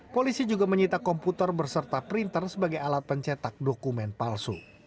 polisi juga menyita komputer berserta printer sebagai alat pencetak dokumen palsu